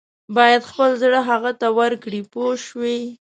باید خپل زړه هغه ته ورکړې پوه شوې!.